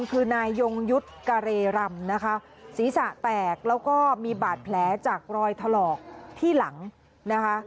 คือนายยงยุทธ์กะเรรำนะคะศีรษะแตกแล้วก็มีบาดแผลจากรอยถลอกที่หลังนะคะ